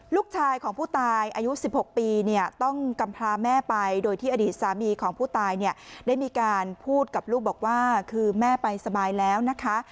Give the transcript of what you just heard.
ลูกชายของผู้ตายอายุ๑๖ปีเนี่ยต้องกำพลาแม่ไปโดยที่อดีตสามีของผู้ตายเนี่ยได้มีการพูดกับลูกบอกว่าคือแม่ไปสบายแล้วนะคะ